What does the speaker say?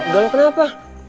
gak lo kenapa